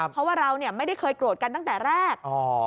เพราะว่าเราไม่ได้เคยโกรธกันตั้งแต่แรก